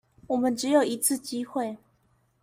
我們只有一次機會